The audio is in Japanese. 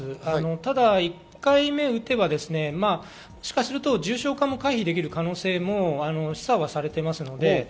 ただ１回目打てば、重症化も回避できる可能性も示唆されています。